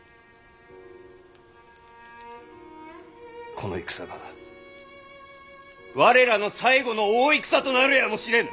この戦が我らの最後の大戦となるやもしれぬ。